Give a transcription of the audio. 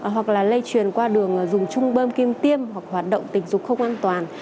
hoặc là lây truyền qua đường dùng chung bơm kim tiêm hoặc hoạt động tình dục không an toàn